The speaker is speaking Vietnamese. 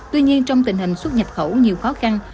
tuy nhiên trong tình hình xuất nhập khẩu nhiều khó khăn